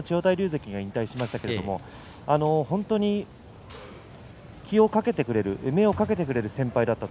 関が引退しましたが本当に気をかけてくれる目をかけてくれる先輩だった。